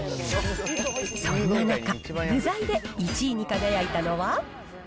そんな中、具材で１位に輝いたのは。